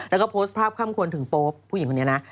แล้วก็โพสต์ภาพค่ำควรถึงโป๊ปผู้หญิงคนนี้นะ